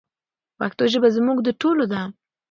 پښتو ژبه زموږ د ټولو ده.